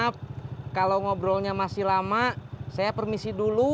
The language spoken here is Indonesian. karena kalau ngobrolnya masih lama saya permisi dulu